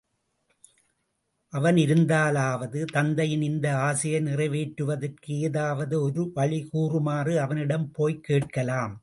அவன் இருந்தலாவது தத்தையின் இந்த ஆசையை நிறைவேற்றுவதற்கு ஏதாவது ஒருவழி கூறுமாறு அவனிடம் போய்க் கேட்கலாம்.